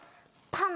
パン。